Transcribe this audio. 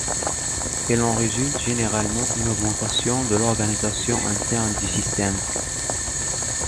Il en résulte généralement une augmentation de l'organisation interne du système.